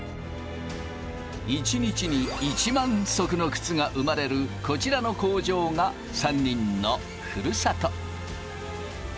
１日に１万足の靴が生まれるこちらの工場が３人のふるさと。